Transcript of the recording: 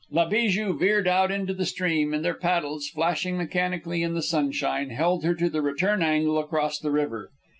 .. La Bijou veered out into the stream, and their paddles, flashing mechanically in the sunshine, held her to the return angle across the river.